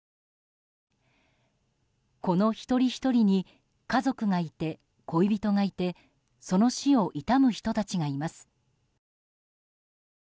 この一人ひとりに家族がいて、恋人がいてその死を悼む人たちがいます。